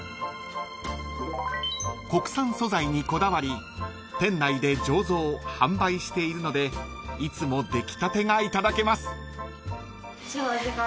［国産素材にこだわり店内で醸造販売しているのでいつも出来たてがいただけます］